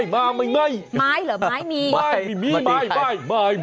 บ้าจริงเดี๋ยวเดี๋ยว